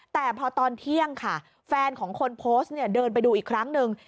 แต่พอตอนเที่ยงค่ะแฟนของคนโพสต์เนี่ยเดินไปดูอีกครั้งหนึ่ง